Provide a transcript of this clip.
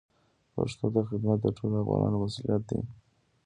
پښتو ته خدمت د ټولو افغانانو مسوولیت دی.